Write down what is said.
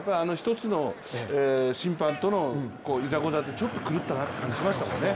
１つの審判とのいざこざでちょっと狂ったなという感じがしましたもんね。